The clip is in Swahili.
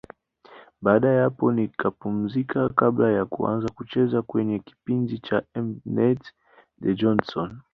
Baada ya hapo nikapumzika kabla ya kuanza kucheza kwenye kipindi cha M-net, The Johnsons.